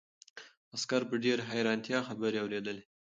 عسکر په ډېرې حیرانتیا خبرې اورېدلې.